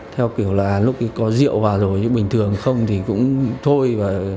theo kiểu là lúc có rượu vào rồi nhưng bình thường không thì cũng thôi